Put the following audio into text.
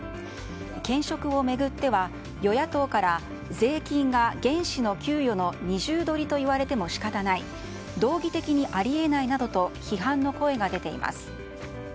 兼職を巡っては与野党から税金が原資の給与の二重取りと言われても仕方ない道義的にあり得ないなどと批判の声が出ています。